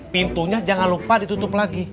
pintunya jangan lupa ditutup lagi